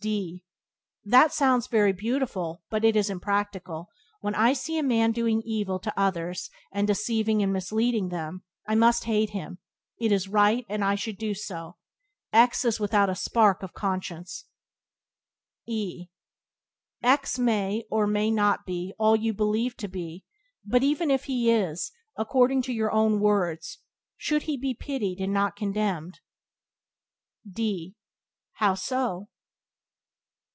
D That sounds very beautiful, but it is impracticable. When I see a man doing evil to others, and deceiving and misleading them, I must hate him. It is right that I should do so. X is without a spark of conscience. E X may or may not be all you believe to be, but, even if he is, according to your own words, he should be pitied and not condemned. D How so?